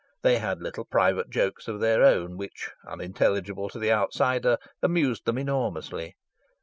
They had little private jokes of their own which, unintelligible to the outsider, amused them enormously.